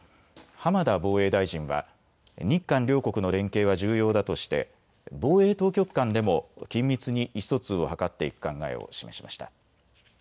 浜田防衛大臣は日韓両国の連携は重要だとして防衛当局間でも緊密に意思疎通を図っていく考えを示しました。